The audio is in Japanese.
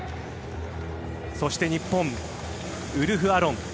そして日本、ウルフ・アロン。